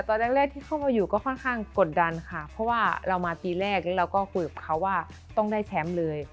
ตอนแรกที่เข้ามาอยู่ก็ค่อนข้างกดดันค่ะเพราะว่าเรามาปีแรกแล้วเราก็คุยกับเขาว่าต้องได้แชมป์เลย